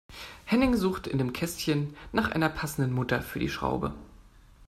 Henning sucht in dem Kästchen nach einer passenden Mutter für die Schraube.